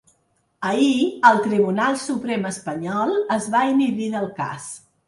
Ahir el Tribunal Suprem espanyol es va inhibir del cas.